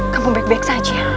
kamu baik baik saja